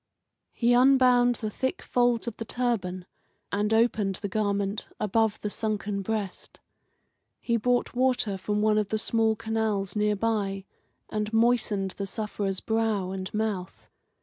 He unbound the thick folds of the turban and opened the garment above the sunken breast. He brought water from one of the small canals near by, and moistened the sufferer's brow and mouth.